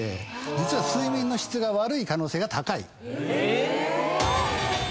実は睡眠の質が悪い可能性が高い。